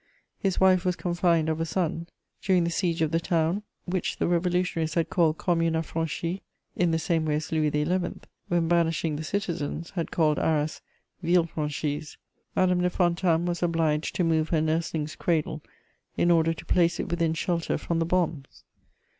His wife was confined of a son: during the siege of the town, which the revolutionaries had called "Commune Affranchie," in the same way as Louis XI., when banishing the citizens, had called Arras "Ville Franchise," Madame de Fontanes was obliged to move her nursling's cradle in order to place it within shelter from the bombs.